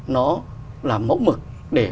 nó là mẫu mực để